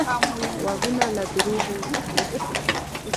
غوږونه له دروغو تښتي